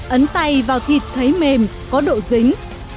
ấn tay vào thịt thấy mềm có độ dính